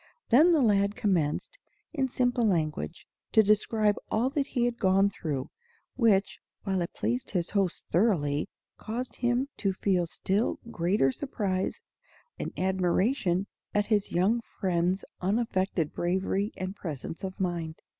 Then the lad commenced, in simple language, to describe all that he had gone through, which, while it pleased his host thoroughly, caused him to feel still greater surprise and admiration at his young friend's unaffected bravery and presence of mind.